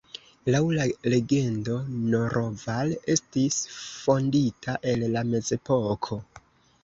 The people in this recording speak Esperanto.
Laŭ la legendo Naroval estis fondita en la mezepoko.